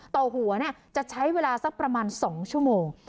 ต่อหัวเนี่ยจะใช้เวลาสักประมาณสองชั่วโมง